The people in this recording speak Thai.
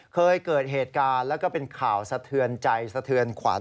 เคยเกิดเหตุการณ์แล้วก็เป็นข่าวสะเทือนใจสะเทือนขวัญ